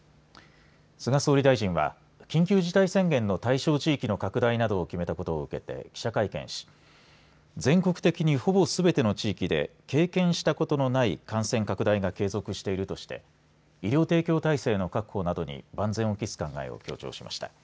菅総理大臣は緊急事態宣言の対象地域の拡大などを決めたことを受けて記者会見し全国的に、ほぼすべての地域で経験したことのない感染拡大が継続しているとして医療提供体制の確保などに万全を期す考えを強調しました。